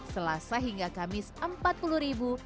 selasa hingga kamis rp empat puluh